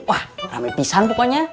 wah rame pisan pokoknya